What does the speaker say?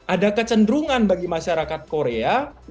ada kecenderungan bagi masyarakat korea